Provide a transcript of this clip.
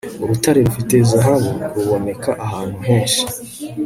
urutare rufite zahabu ruboneka ahantu henshi